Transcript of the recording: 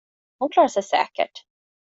Hon klarar sig säkert.